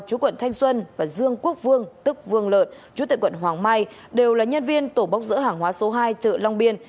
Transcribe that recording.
chủ quận thanh xuân và dương quốc vương tức vương lợn chủ tịch quận hoàng mai đều là nhân viên tổ bốc giữa hàng hóa số hai chợ long biên